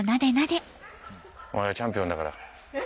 お前はチャンピオンだから。